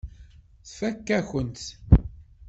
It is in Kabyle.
Tfakk-akent-t.